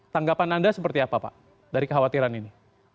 tanggapan anda seperti apa pak dari kekhawatiran ini